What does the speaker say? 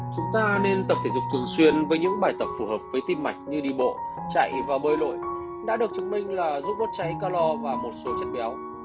chúng ta nên tập thể dục thường xuyên với những bài tập phù hợp với tim mạch như đi bộ chạy và bơi lội đã được chứng minh là giúp đốt cháy calor và một số chất béo